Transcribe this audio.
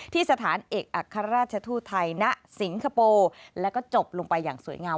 ที่สถานเอกอัครราชทูตไทยณสิงคโปร์แล้วก็จบลงไปอย่างสวยงาม